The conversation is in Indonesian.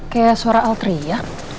kayak suara al teriak